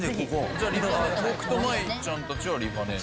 じゃあ僕と麻衣ちゃんたちはリファネーゼ。